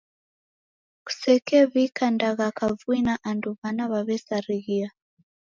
Kusekew'ika ndagha kavui na andu w'ana w'aw'esarighia.